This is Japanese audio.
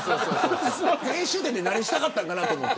編集点で何したかったんかなと思って。